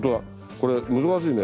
これ難しいね。